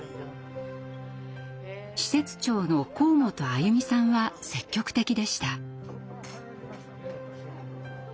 施設長の河本歩美さんは積極的でした。